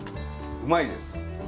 うまいです。